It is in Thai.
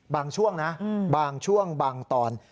ช่วงนะบางช่วงบางตอน